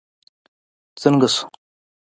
څنګه شو.